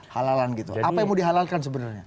halalan gitu apa yang mau dihalalkan sebenarnya